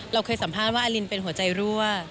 เราเคยสัมภาษณ์ว่าอลินเป็นหัวใจรั่ว